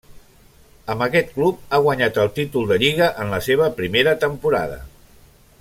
Amb aquest club ha guanyat el títol de Lliga en la seva primera temporada.